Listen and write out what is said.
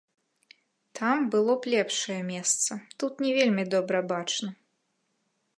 Там было б лепшае месца, тут не вельмі добра бачна.